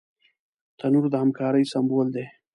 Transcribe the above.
تنور د همکارۍ سمبول دی